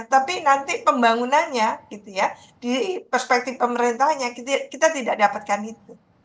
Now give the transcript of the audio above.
tapi nanti pembangunannya gitu ya di perspektif pemerintahnya kita tidak dapatkan itu